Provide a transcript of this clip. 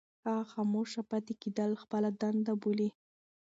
هغه خاموشه پاتې کېدل خپله دنده بولي.